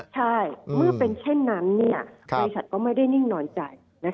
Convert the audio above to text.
ใช่เมื่อเป็นเช่นนั้นบริษัทก็ไม่ได้นิ่งนอนใจ